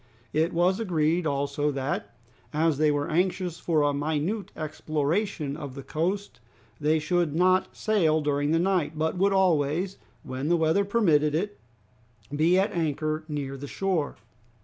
It was agreed also that as they were anxious for a minute exploration of the coast they should not sail during the night, but would always, when the weather permitted it, be at anchor near the shore.